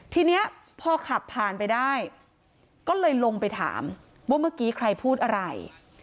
ทีนี้พอขับผ่านไปได้ก็เลยลงไปถามว่าเมื่อกี้ใครพูดอะไร